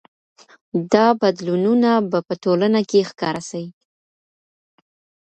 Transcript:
دا بدلونونه به په ټولنه کي ښکاره سي.